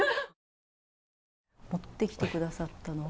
持ってきてくださったのは？